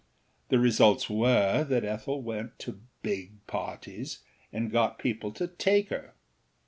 The results were that Ethel went to âbigâ parties and got people to take her.